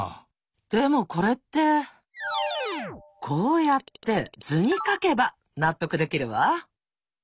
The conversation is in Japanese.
でもこれってこうやって図に描けば納得できるわ。